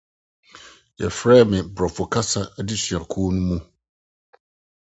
Wɔfrɛɛ me wɔ Borɔfo kasa adesuakuw mu.